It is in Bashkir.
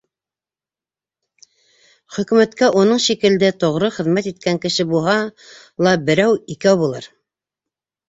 - Хөкүмәткә уның шикелде тоғро хеҙмәт иткән кеше буһа ла берәү, икәү булыр.